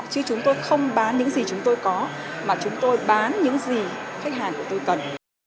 chứ chúng tôi không bán những gì chúng tôi có mà chúng tôi bán những gì khách hàng của tôi cần